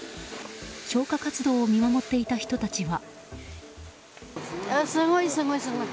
消火活動を見守っていた人たちは。